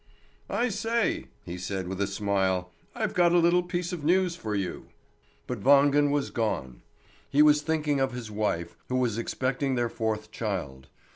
"I say!" he said with a smile, "I've got a little piece of news for you." But Wangen was gone. He was thinking of his wife, who was expecting their fourth child.